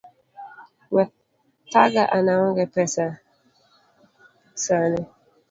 We thaga an aonge pesa sani